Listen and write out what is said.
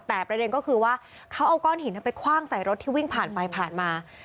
แต่ประเด็นก็คือว่าเขาเอาก้อนหินไปคว่างใส่รถที่วิ่งผ่านไปผ่านมา